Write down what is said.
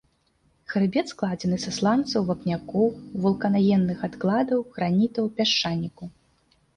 Хрыбет складзены са сланцаў, вапнякоў, вулканагенных адкладаў, гранітаў, пясчаніку.